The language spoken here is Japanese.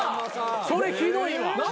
それひどいわ。